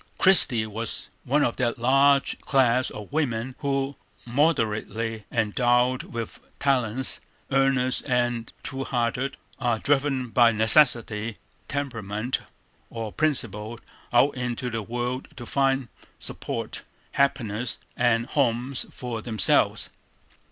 Christie was one of that large class of women who, moderately endowed with talents, earnest and true hearted, are driven by necessity, temperament, or principle out into the world to find support, happiness, and homes for themselves.